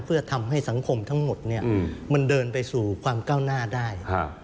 เพื่อทำให้สังคมทั้งหมดมันเดินไปสู่ความก้าวหน้าได้